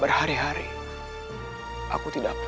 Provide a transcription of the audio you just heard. berhari hari aku tidak